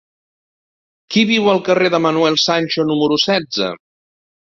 Qui viu al carrer de Manuel Sancho número setze?